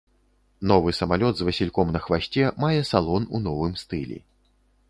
Новы самалёт з васільком на хвасце мае салон у новым стылі.